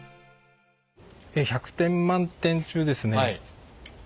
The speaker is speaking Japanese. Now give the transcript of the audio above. １００点満点中ですね